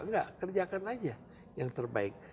nggak kerjakan aja yang terbaik